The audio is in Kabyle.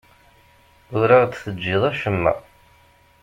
Ur aɣ-d-teǧǧiḍ acemma.